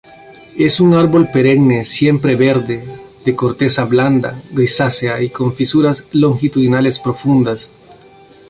Es un árbol perenne siempreverde, de corteza blanda, grisácea y con fisuras longitudinales profundas.